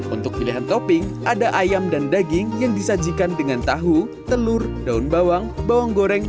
untuk pilihan topping ada ayam dan daging yang disajikan dengan tahu telur daun bawang bawang goreng